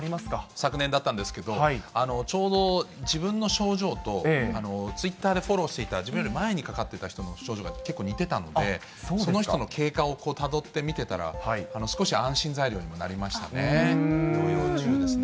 昨年だったんですけど、ちょうど自分の症状と、ツイッターでフォローしていた、自分より前にかかっていた人の症状が結構似てたので、その人の経過をたどって見てたら少し安心材料になりましたね。